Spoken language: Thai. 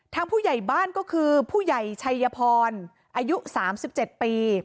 ผู้ใหญ่บ้านก็คือผู้ใหญ่ชัยพรอายุ๓๗ปี